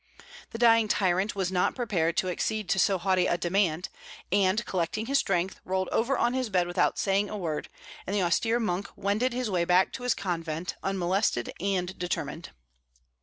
The dying tyrant was not prepared to accede to so haughty a demand, and, collecting his strength, rolled over on his bed without saying a word, and the austere monk wended his way back to his convent, unmolested and determined.